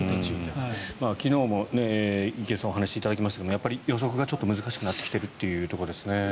昨日も池内さんにお話しいただきましたがやっぱり予測が難しくなってきているというところですね。